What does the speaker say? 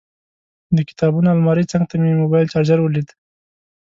د کتابونو المارۍ څنګ ته مې موبایل چارجر ولید.